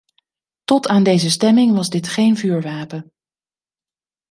Tot aan deze stemming was dit geen vuurwapen.